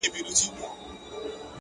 د تجربې ارزښت په ازموینه معلومېږي،